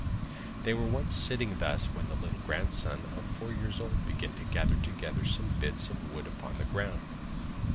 They were once sitting thus when the little grandson of four years old began to gather together some bits of wood upon the ground.